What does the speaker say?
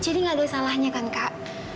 jadi gak ada salahnya kan kak